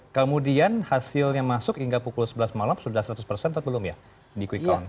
kemudian hasilnya masuk hingga pukul sebelas malam sudah seratus persen atau belum ya di quick count